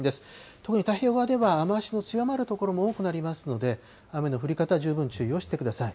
特に太平洋側では、雨足の強まる所も多くなりますので、雨の降り方、十分注意をしてください。